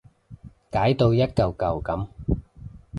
解到一舊舊噉